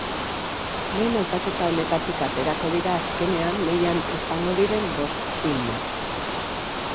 Lehen hautaketa honetatik aterako dira, azkenean, lehian izango diren bost filmak.